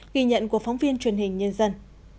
ghi nhận của phóng viên truyền hình nhân dân